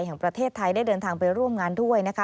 แห่งประเทศไทยได้เดินทางไปร่วมงานด้วยนะคะ